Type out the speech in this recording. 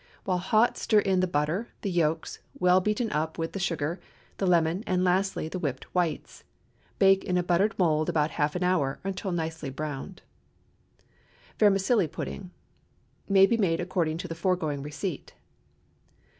While hot stir in the butter, the yolks, well beaten up with the sugar, the lemon, and lastly the whipped whites. Bake in a buttered mould about half an hour, or until nicely browned. VERMICELLI PUDDING May be made according to the foregoing receipt.